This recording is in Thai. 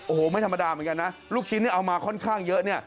โอ้โหไม่ธรรมดาเหมือนกันนะลูกชิ้นเอามาค่อนข้างเยอะเนี่ย